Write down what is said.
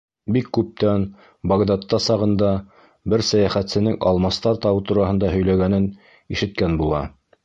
Бик күптән, Бағдадта сағында, бер сәйәхәтсенең алмастар тауы тураһында һөйләгәнен ишеткәне була.